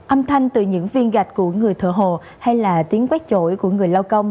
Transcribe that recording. âm thanh từ những viên gạch của người thợ hồ hay là tiếng quét chổi của người lao công